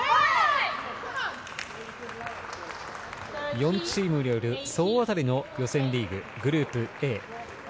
４チームによる総当たりの予選リーググループＡ。